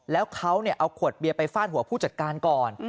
แล้วเขาเอาขวดเบียร์ไปฟาดหัวผู้จัดการก่อน